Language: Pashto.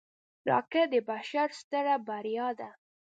راکټ د بشر ستره بریا وه